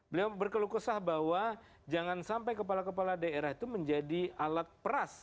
beliau berkeluh kesah bahwa jangan sampai kepala kepala daerah itu menjadi alat peras